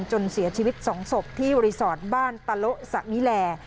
จนเสียชีวิต๒ศพที่รีสอร์ทบ้านตะโละสมิแล